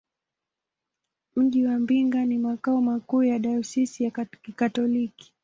Mji wa Mbinga ni makao makuu ya dayosisi ya Kikatoliki.